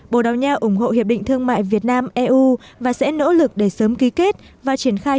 bồ đào nha ủng hộ hiệp định thương mại việt nam eu và sẽ nỗ lực để sớm ký kết và triển khai